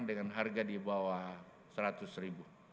dengan harga di bawah seratus ribu